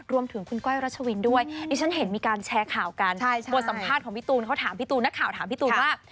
รวมถึงคุณก้อยรัชวินด้วยดิฉันเห็นมีการแชร์ข่าวกันบทสัมภาษณ์ของพี่ตูนเขาถามพี่ตูนนักข่าวถามพี่ตูนว่า